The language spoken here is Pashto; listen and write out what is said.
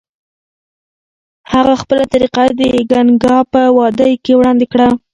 هغه خپله طریقه د ګنګا په وادۍ کې وړاندې کړه.